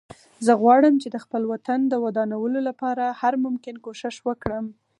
زه غواړم چې د خپل وطن د ودانولو لپاره هر ممکن کوښښ وکړم